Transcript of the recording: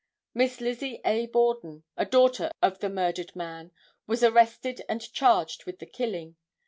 Miss Lizzie A. Borden, a daughter of the murdered man, was arrested and charged with the killing.